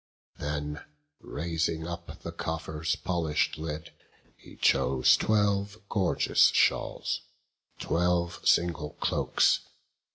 Then raising up the coffer's polish'd lid, He chose twelve gorgeous shawls, twelve single cloaks.